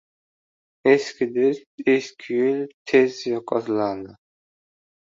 • Eski do‘st va eski yo‘l tez yo‘qotiladi.